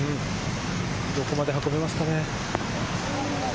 どこまで運べますかね？